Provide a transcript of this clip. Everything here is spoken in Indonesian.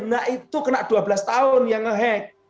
nah itu kena dua belas tahun yang nge hack